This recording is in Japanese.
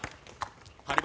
張本。